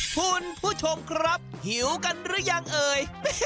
คุณผู้ชมครับหิวกันหรือยังเอ่ย